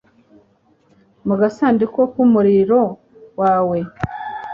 Mu gasanduku k'umuriro wawe